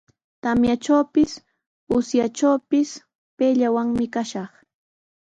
Tamyatrawpis, rapitrawpis payllawanmi kashaq.